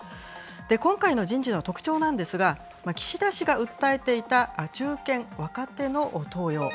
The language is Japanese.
今回の人事の特徴なんですが、岸田氏が訴えていた、中堅・若手の登用。